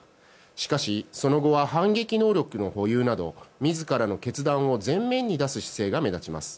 しかし、その後は反撃能力の保有など自らの決断を前面に出す姿勢が目立ちます。